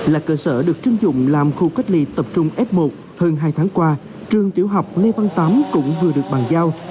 là cơ sở được chứng dụng làm khu cách ly tập trung f một hơn hai tháng qua trường tiểu học lê văn tám cũng vừa được bàn giao